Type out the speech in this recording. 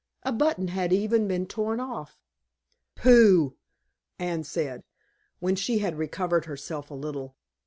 A button had even been torn off." "Pooh!" Anne said, when she had recovered herself a little.